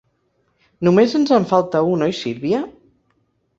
Només ens en falta un, oi, Sílvia?